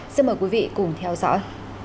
xin mời quý vị cùng theo dõi